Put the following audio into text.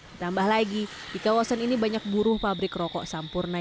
ditambah lagi di kawasan ini banyak buruh pabrik rokok sampurna